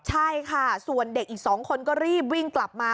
ใช่ค่ะส่วนเด็กอีก๒คนก็รีบวิ่งกลับมา